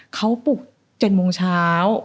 เขาปลุก๗โมงเช้า